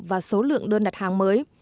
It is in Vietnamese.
và số lượng đơn đặt hàng mới